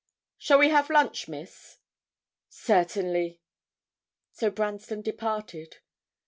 'Shall we have lunch, Miss?' 'Certainly.' So Branston departed.